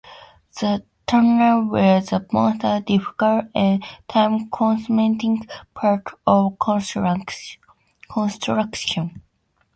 The tunnels were the most difficult and time-consuming part of construction.